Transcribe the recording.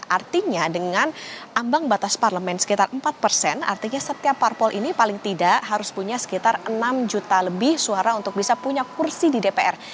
artinya dengan ambang batas parlemen sekitar empat persen artinya setiap parpol ini paling tidak harus punya sekitar enam juta lebih suara untuk bisa punya kursi di dpr